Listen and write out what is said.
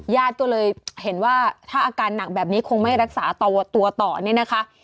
ญาติก็เลยเห็นว่าถ้าอาการหนักแบบนี้คงไม่รักษาตัวต่อเนี่ยนะคะ